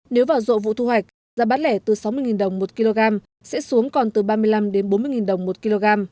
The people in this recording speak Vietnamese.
nếu vào rộ vụ thu hoạch giá bát lẻ từ sáu mươi đồng một kg sẽ xuống còn từ ba mươi năm đồng đến bốn mươi đồng một kg